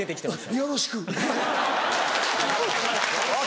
「よろしく」？